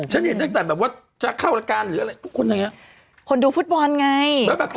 แล้วโดยฟุตบอลจะเข้าละกันหรืออะไรคนทุกคนดูฟุตบอลไง